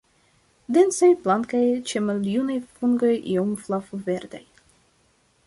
Densaj, blankaj, ĉe maljunaj fungoj iom flav-verdaj.